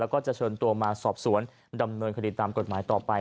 แล้วก็จะเชิญตัวมาสอบสวนดำเนินคดีตามกฎหมายต่อไป